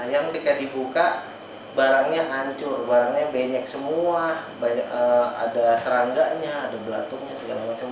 yang ketika dibuka barangnya hancur barangnya banyak semua ada serangganya ada belatungnya segala macam